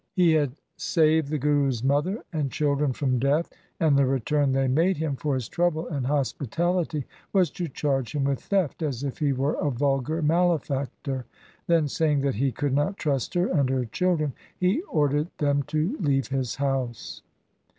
He had saved the Guru's mother and children from death, and the return they made him for his trouble and hospitality was to charge him with theft as if he were a vulgar malefactor. Then saying that he could not trust her and her children, he ordered them to leave his house.